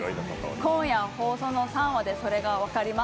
今夜放送の３話でそれが分かります